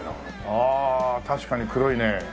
ああ確かに黒いね。